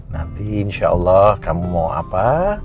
nanti insya allah kamu mau apa